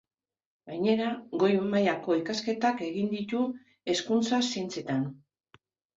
Gainera, goi-mailako ikasketak egin ditu Hezkuntza Zientzietan.